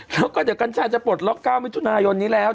แล้วก็เดี๋ยวกัญชาจะปลดล็อก๙มิถุนายนนี้แล้ว